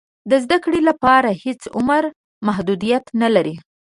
د زده کړې لپاره هېڅ عمر محدودیت نه لري.